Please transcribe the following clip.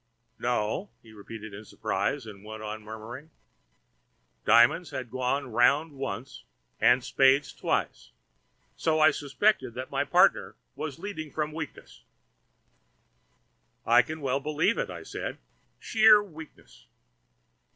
"No," he repeated in surprise, and went on murmuring: "Diamonds had gone round once, and spades twice, and so I suspected that my partner was leading from weakness—" "I can well believe it," I said—"sheer weakness."